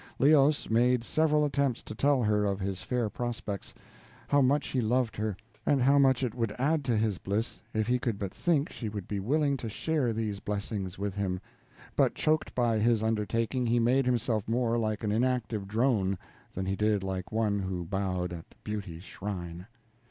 Leos made several attempts to tell her of his fair prospects how much he loved her, and how much it would add to his bliss if he could but think she would be willing to share these blessings with him; but, choked by his undertaking, he made himself more like an inactive drone than he did like one who bowed at beauty's shrine.